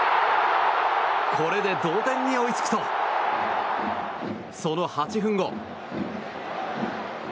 これで同点に追いつくとその８分後。